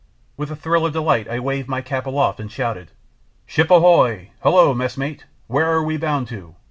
With a thrill of delight I waved my cap aloft and shouted "Ship ahoy! Hullo, messmate, where are we bound to?"